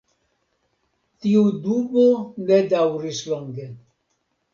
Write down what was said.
Tiu dubo ne daŭris longe.